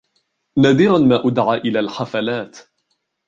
نادرًا ما أُدعى إلى الحفلات.